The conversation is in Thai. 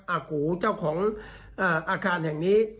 อากูเจ้าของอาคารแห่งนี้